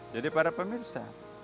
jadi para pemirsa